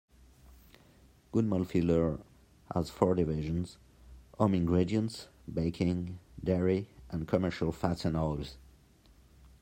Goodman Fielder has four divisions, Home Ingredients, Baking, Dairy and Commercial Fats and Oils.